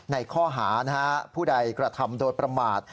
ในข้อหาผู้ใดกระทำโดยประมาท